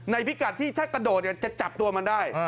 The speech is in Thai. พิกัดที่ถ้ากระโดดจะจับตัวมันได้